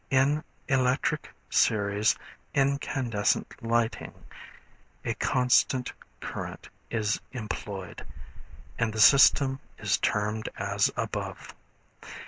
In electric series, incandescent lighting, a constant current is employed, and the system is termed as above.